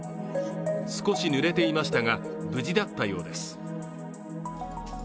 少しぬれていましたが、無事だったようです。